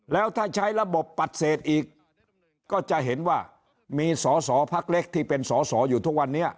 แล้วถ้าใช้ระบบปัดเศษอีกก็จะเห็นว่ามีสอสอพักเล็กที่เป็นสอสออยู่ทุกวันนี้